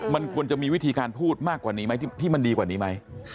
มันควรจะมีวิธีการพูดมากกว่านี้ไหมที่มันดีกว่านี้ไหม